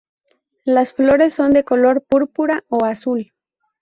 Las flores son de color púrpura o azul.